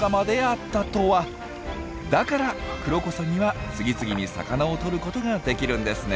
だからクロコサギは次々に魚をとることができるんですね。